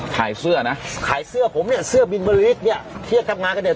ขายเสื้อนะขายเสื้อผมเนี่ยเสื้อบินเบอร์ลิกเนี่ยที่จะทำงานกันเนี่ย